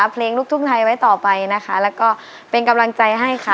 เพลงลูกทุ่งไทยไว้ต่อไปนะคะแล้วก็เป็นกำลังใจให้ค่ะ